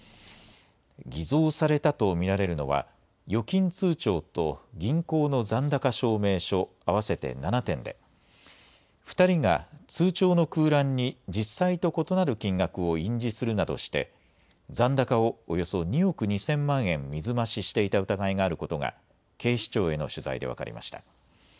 偽造されたと見られるのは預金通帳と銀行の残高証明書合わせて７点で２人が通帳の空欄に実際と異なる金額を印字するなどして残高をおよそ２億２０００万円水増ししていた疑いがあることが警視庁への取材で分かりました。